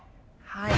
はい。